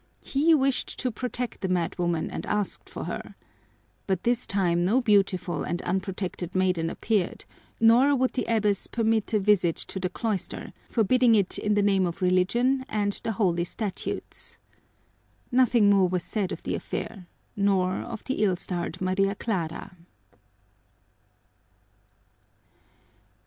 He wished to protect the madwoman and asked for her. But this time no beautiful and unprotected maiden appeared, nor would the abbess permit a visit to the cloister, forbidding it in the name of Religion and the Holy Statutes. Nothing more was said of the affair, nor of the ill starred Maria Clara.